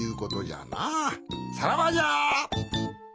さらばじゃ！